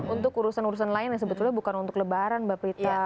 untuk urusan urusan lain yang sebetulnya bukan untuk lebaran mbak prita